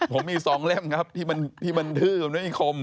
ผมมี๒เล่มครับที่มันทื้อกันด้วยมีคม